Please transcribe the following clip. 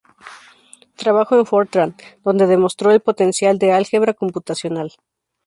Trabajó en Fortran, donde demostró el potencial del álgebra computacional.